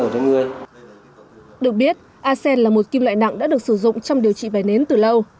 được biết asean là một kim loại nặng đã được sử dụng trong điều trị vẩy nến từ lâu